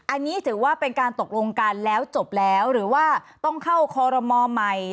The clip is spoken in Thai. อันนี้ถือว่าเป็นการตกลงกันแล้วจบแล้วหรือว่าต้องเข้าคอรมอใหม่